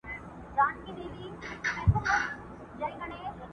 تا پر سرو شونډو پلمې راته اوډلای٫